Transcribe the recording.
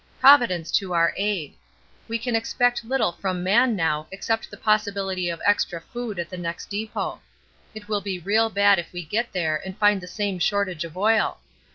Providence to our aid! We can expect little from man now except the possibility of extra food at the next depot. It will be real bad if we get there and find the same shortage of oil.